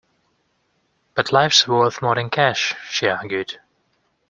But life's worth more than cash, she argued.